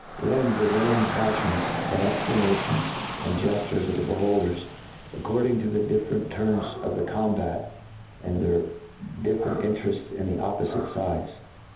— ^Then the varying paflions, and exclamations, and gef tures of the beholders, according to the differ ent turns of the combat, and their different in ' terefts in the oppofite fides.